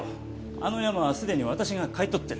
あの山はすでに私が買い取ってる。